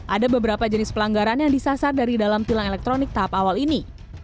ada beberapa jenis pelanggaran yang disasar dari dalam tilang elektronik tahap awal ini